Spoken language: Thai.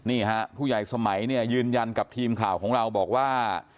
นี่ฮะผู้ใหญ่สมัยเนี่ยยืนยันกับทีมข่าวของเราบอกว่า